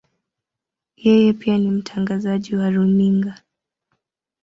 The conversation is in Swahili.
Yeye pia ni mtangazaji wa runinga.